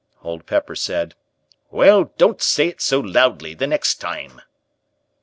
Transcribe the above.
Old Pepper said: "Well, don't say it so loudly the next time."